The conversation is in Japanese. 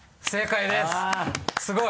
正解です！